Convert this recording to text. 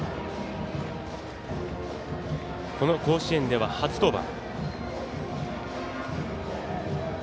甲子園では初登板。